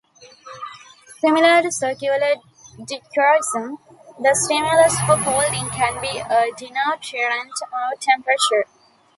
Similar to circular dichroism, the stimulus for folding can be a denaturant or temperature.